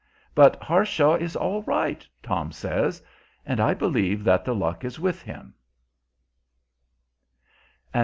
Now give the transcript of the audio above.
But "Harshaw is all right," Tom says; and I believe that the luck is with him.